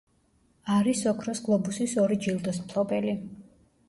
არის ოქროს გლობუსის ორი ჯილდოს მფლობელი.